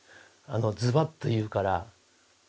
ズバッと言うから。